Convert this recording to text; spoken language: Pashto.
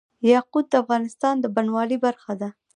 یاقوت د افغانستان د بڼوالۍ برخه ده.